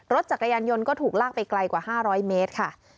รถจักรยานยนต์ก็ถูกลากไปไกลกว่า๕๐๐เมตรค่ะ